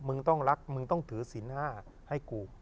มึงต้องรักมึงต้องถือศิลป๕ให้กู